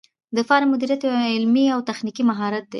د فارم مدیریت یو علمي او تخنیکي مهارت دی.